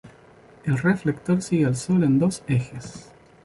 El reflector sigue al Sol en dos ejes.